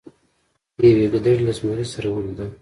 یوې ګیدړې له زمري سره ولیدل.